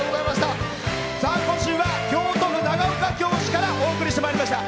今週は京都府長岡京市からお送りしてまいりました。